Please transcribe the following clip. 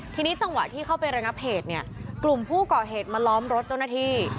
ทีนี้จังหวะที่เข้าไประงับเหตุเนี่ยกลุ่มผู้ก่อเหตุมาล้อมรถเจ้าหน้าที่